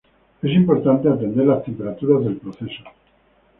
Es importante atender la temperatura del proceso.